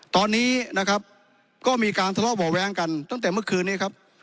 ตอนนี้นะครับก็มีการทะเลาะบ่อแว้งกันตั้งแต่เมื่อคืนนี้ครับ